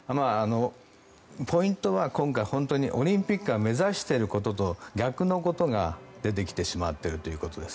ポイントは今回オリンピックが目指していることと逆のことが出てきてしまっているということです。